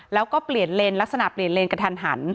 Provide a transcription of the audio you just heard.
แล้วก็เปลี่ยนเลนลักษณะเปลี่ยนเลนกระทันหัน